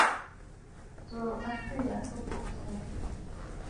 Tsuu atû ya kɨ buʼusə.